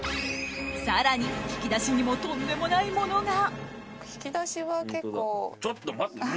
更に、引き出しにもとんでもないものが。